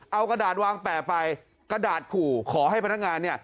เอากระดาษวางแปะไปกระดาษขู่ขอให้พนักงานเนี่ย